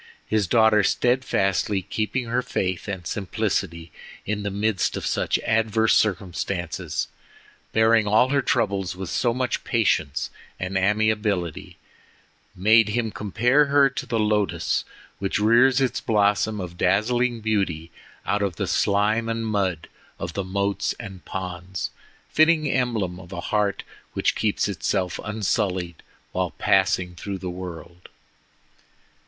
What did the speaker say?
His daughter steadfastly keeping her faith and simplicity in the midst of such adverse circumstances—bearing all her troubles with so much patience and amiability—made him compare her to the lotus which rears its blossom of dazzling beauty out of the slime and mud of the moats and ponds, fitting emblem of a heart which keeps itself unsullied while passing through the world.